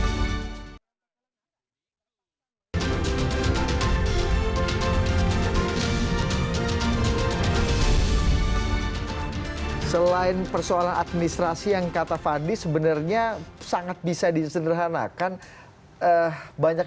hai selain persoalan administrasi yang kata fadi sebenarnya sangat bisa disenderhanakan banyak